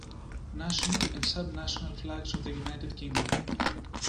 National and subnational flags of the United Kingdom.